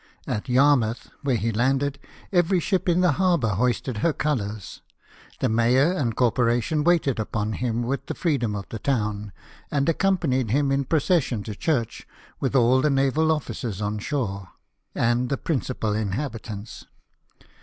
At Yarmouth, where he landed, every ship in the harbour hoisted her colours. The mayor and corporation waited upon him with the freedom of the town, and accompanied him in pro cession to church, with all the naval officers on shore, and the principal inhabitants.